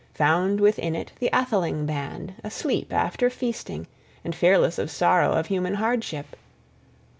Found within it the atheling band asleep after feasting and fearless of sorrow, of human hardship.